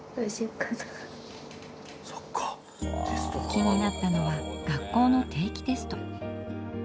気になったのは学校の定期テスト。